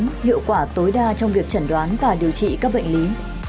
hiệu quả tối đa trong việc chẩn đoán và điều trị các bệnh lý